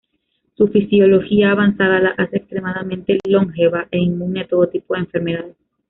Su fisiología avanzada la hace extremadamente longeva e inmune a todo tipo de enfermedades.